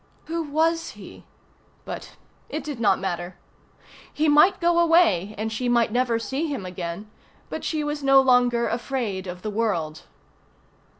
Who was he? But it did not matter. He might go away and she might never see him again, but she was no longer afraid of the world.